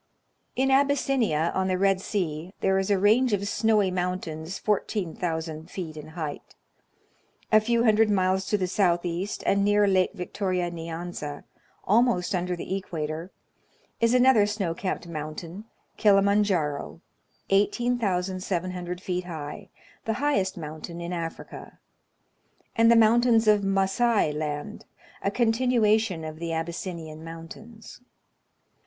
In Abyssinia, on the Red Sea, there is a range of snowy mountains 14,V00 feet in height. A few hundred miles to the southeast, and near Lake Victoria Nyanza, almost under the equator, is another snow capped mountain, Kilima Njaro, 18,700 feet high, — the highest mountain in Africa, — and the mountains of Massai Land, a continuation of the Abyssinian Mountains.